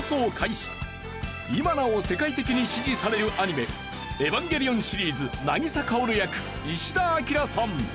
今なお世界的に支持されるアニメ『エヴァンゲリオン』シリーズ渚カヲル役石田彰さん。